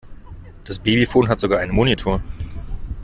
Das Babyphone hat sogar einen Monitor.